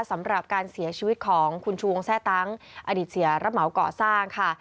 สำหรับการเสียชีวิตของคุณชูวงแทร่ตั้งอดีตเสียรับเหมาก่อสร้างค่ะ